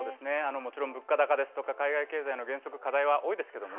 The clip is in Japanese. もちろん物価高ですとか海外経済の減速、課題は多いですけれどもね。